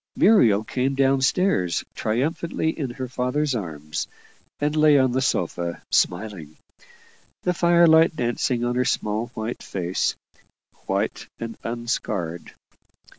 Muriel came down stairs triumphantly in her father's arms, and lay on the sofa smiling; the firelight dancing on her small white face white and unscarred.